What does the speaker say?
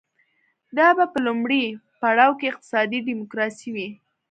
دا به په لومړي پړاو کې اقتصادي ډیموکراسي وي